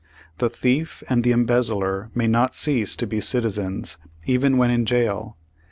The thief and the embezzler may not cease to be citizens, even when in jail.